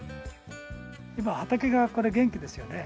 今畑がこれ元気ですよね。